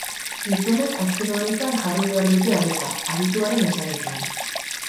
Gizonek azken honetan jarri behar dute arreta, adituaren esanetan.